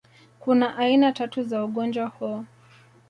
Kuna aina tatu za ugonjwa huu